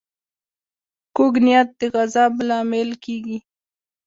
کوږ نیت د عذاب لامل کېږي